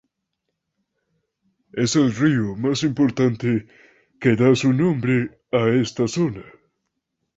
Es el río más importante que da su nombre a esta zona.